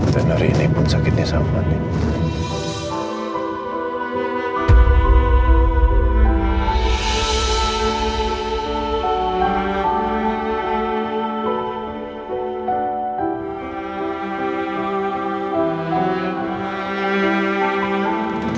dan hari ini pun sakitnya sama nih